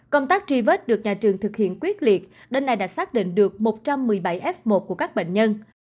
công tác truy vết được nhà trường thực hiện quyết liệt đến nay đã xác định được một trăm một mươi bảy f một của các bệnh nhân